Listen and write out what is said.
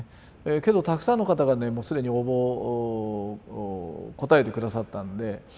けどたくさんの方がねもう既に応募応えて下さったんで。